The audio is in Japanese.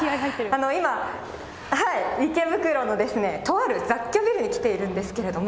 今、池袋のとある雑居ビルに来ているんですけど。